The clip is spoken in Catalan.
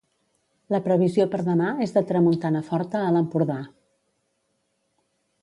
La previsió per demà és de tramuntana forta a l'Empordà.